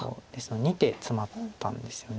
２手ツマったんですよね。